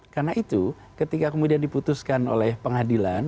karena itu ketika kemudian diputuskan oleh pengadilan